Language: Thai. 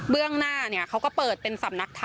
หน้าเขาก็เปิดเป็นสำนักธรรม